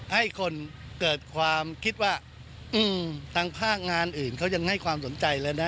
ให้คนเกิดความคิดว่าทางภาคงานอื่นเขายังให้ความสนใจแล้วนะ